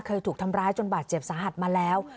เคยถูกทำร้ายจนบาดเจ็บสาหัสมาแล้ว